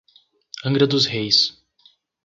Angra dos Reis